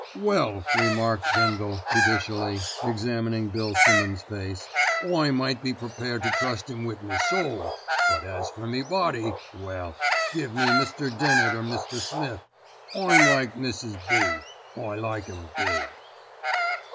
"Well," remarked Bindle, judicially, examining Bill Simmonds' face, "I might be prepared to trust 'im wi' my soul; but as for my body, well, give me Mr. Dennett or Mr. Smith. I'm like Mrs. B.; I like 'em big."